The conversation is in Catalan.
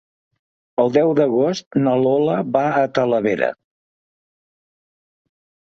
El deu d'agost na Lola va a Talavera.